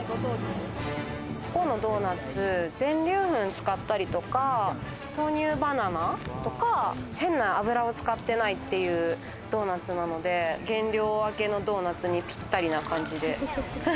ここのドーナツ、全粒粉使ったりとか、豆乳バナナとか、変な油を使ってないっていうドーナツなので、減量明けのドーナツにぴったりな感じで。